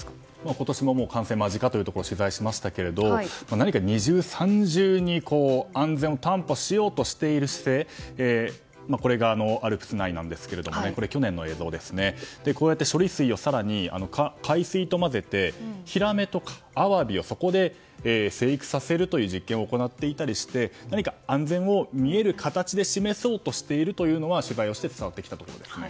今年も完成間近というところを取材しましたけども二重、三重に安全を担保しようとしているというＡＬＰＳ内の去年の映像なんですけどこうやって処理水を更に海水と混ぜてヒラメとかアワビをそこで生育させるという実験を実験を行っていたりして安全を見える形で示そうとしているのは取材をして伝わってきたところですね。